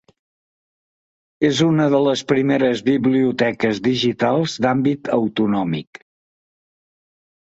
És una de les primeres biblioteques digitals d'àmbit autonòmic.